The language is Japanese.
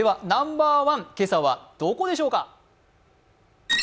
ナンバーワン、今朝はどこでしょうか？